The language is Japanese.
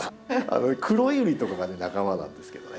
クロユリとかがね仲間なんですけどね。